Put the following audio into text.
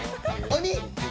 おに！